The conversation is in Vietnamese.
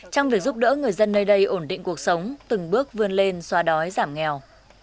trong việc giúp đỡ người dân nơi đây ổn định cuộc sống từng bước vươn lên xóa đói giảm nghèo